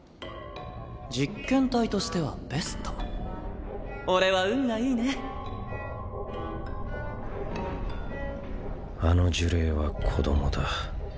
実験体としてはベスト俺は運がいいねあの呪霊は子どもだ。